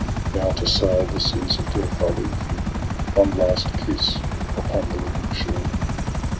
Now to sail the seas of death I leave thee — One last kiss upon the living shore!